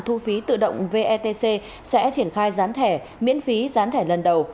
thu phí tự động vetc sẽ triển khai gián thẻ miễn phí gián thẻ lần đầu